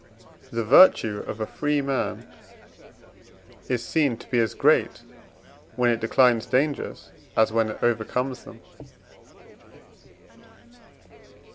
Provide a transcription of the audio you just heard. The virtue of a free man is seen to be as great, when it declines dangers, as when it overcomes them.